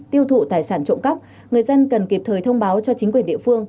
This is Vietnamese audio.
tiêu thụ tài sản trộm cắp người dân cần kịp thời thông báo cho chính quyền địa phương